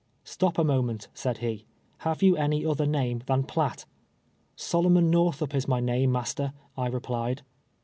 "Sto]) a moment," said he ;" have you any other name than Piatt ?"" Solomon Xorthup is my name, master," I replied.